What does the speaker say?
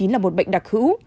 là một bệnh đặc hữu